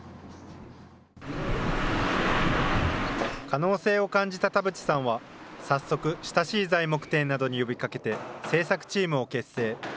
可能性を感じた田淵さんは、早速親しい材木店などに呼びかけて、製作チームを結成。